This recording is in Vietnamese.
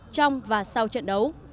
trong và sau trận đấu